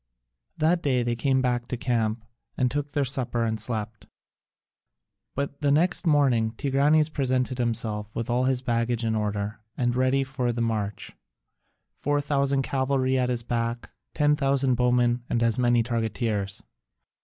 That day they came back to camp and took their supper and slept. But the next morning Tigranes presented himself with all his baggage in order and ready for the march, 4000 cavalry at his back, 10,000 bowmen, and as many targeteers.